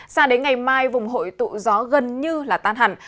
xa đến ngày mai vùng hội tụ gió gần như tan hẳn